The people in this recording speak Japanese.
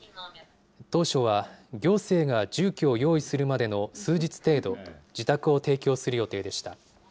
当初は行政が住居を用意するまでの数日程度、自宅を提供する予定でした。